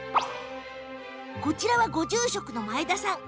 こちらは、ご住職の前田さん。